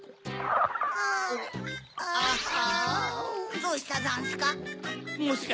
どうしたざんすか？